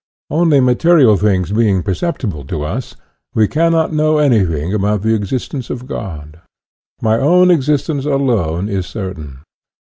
Only material things being per ceptible to us, we cannot know anything about the existence of God. My own existence alone is certain.